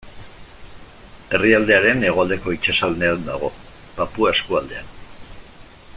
Herrialdearen hegoaldeko itsasaldean dago, Papua eskualdean.